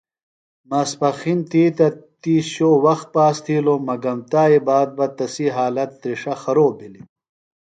ماسپخِن تی تہ تی شو وخت پاس تِھیلوۡ مگم تائی باد بہ تسی حالت تِرݜہ خروب بِھلیۡ۔